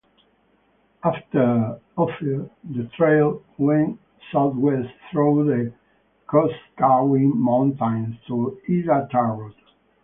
After Ophir, the trail went southwest through the Kuskokwim Mountains to Iditarod.